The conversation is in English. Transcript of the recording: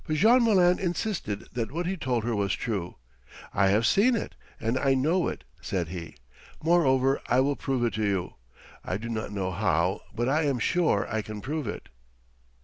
But Jean Malin insisted that what he told her was true. "I have seen it, and I know it," said he. "Moreover I will prove it to you. I do not know how, but I am sure I can prove it."